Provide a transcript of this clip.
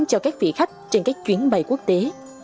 cho các vị khách trên các chuyến bay quốc tế